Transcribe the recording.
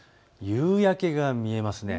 夕焼けが見えます。